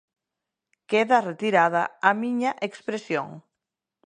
Queda retirada a miña expresión.